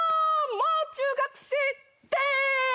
もう中学生です！